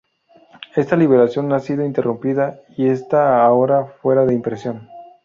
Esta liberación ha sido interrumpida y está ahora fuera de impresión.